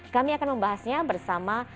kami akan membahasnya bersama